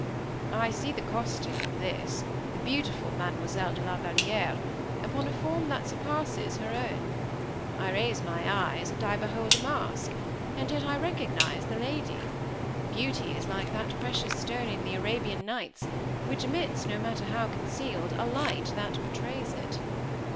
"I see the costume of this, the beautiful Mademoiselle de la Valière, upon a form that surpasses her own; I raise my eyes, and I behold a mask, and yet I recognize the lady; beauty is like that precious stone in the 'Arabian Nights,' which emits, no matter how concealed, a light that betrays it."